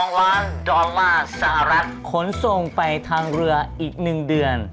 ๒ล้านดอลลาร์สหรัฐขนส่งไปทางเรืออีก๑เดือน